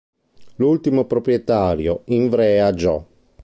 L'ultimo proprietario Invrea, Gio.